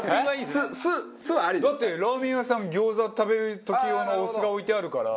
だってラーメン屋さん餃子食べる時用のお酢が置いてあるから。